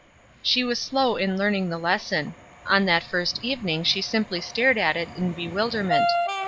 She was slow in learning the lesson: on that first evening she simply stared at it in bewilderment.